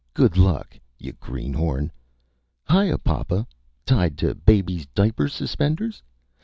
Good luck, yuh greenhorn.... Hiyuh, papa! Tied to baby's diaper suspenders!...